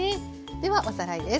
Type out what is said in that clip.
ではおさらいです。